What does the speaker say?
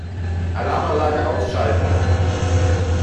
Alarmanlage ausschalten.